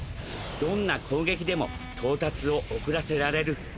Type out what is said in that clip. どんな攻撃でも到達を遅らせられる。